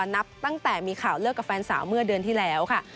นับตั้งแต่มีข่าวเลิกกับแฟนสาวเมื่อเดือนที่แล้วค่ะ